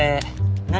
何？